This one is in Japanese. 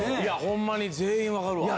ホンマに全員分かるわ。